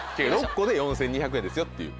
６個で４２００円ですよっていう。